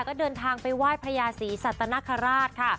ก็เดินทางไปไหว้พระยาศรีสัตนคราชค่ะ